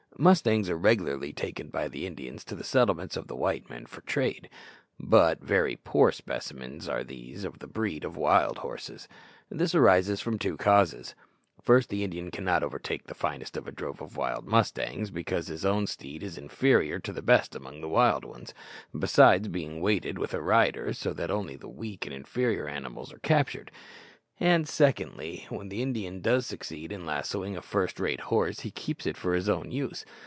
Mustangs are regularly taken by the Indians to the settlements of the white men for trade, but very poor specimens are these of the breed of wild horses. This arises from two causes. First, the Indian cannot overtake the finest of a drove of wild mustangs, because his own steed is inferior to the best among the wild ones, besides being weighted with a rider, so that only the weak and inferior animals are captured. And, secondly, when the Indian does succeed in lassoing a first rate horse he keeps it for his own use.